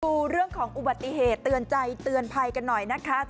ดูเรื่องของอุบัติเหตุเตือนใจเตือนภัยกันหน่อยนะคะ